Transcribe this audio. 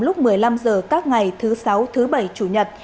lúc một mươi năm h các ngày thứ sáu thứ bảy chủ nhật